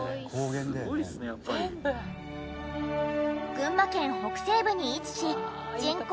群馬県北西部に位置し人口